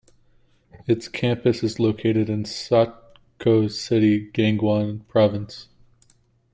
Its campus is located in Sokcho City, Gangwon province.